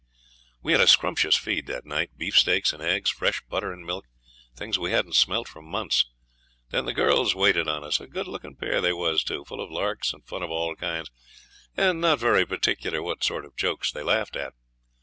We had a scrumptious feed that night, beefsteaks and eggs, fresh butter and milk, things we hadn't smelt for months. Then the girls waited on us; a good looking pair they was too, full of larks and fun of all kinds, and not very particular what sort of jokes they laughed at.